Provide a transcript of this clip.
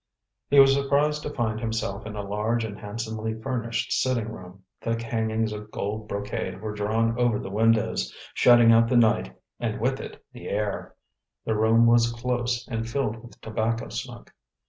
He was surprised to find himself in a large and handsomely furnished sitting room. Thick hangings of gold brocade were drawn over the windows, shutting out the night and with it the air. The room was close and filled with tobacco smoke.